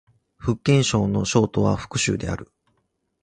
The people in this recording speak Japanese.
福建省の省都は福州である